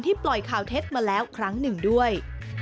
ปล่อยข่าวเท็จมาแล้วครั้งหนึ่งด้วย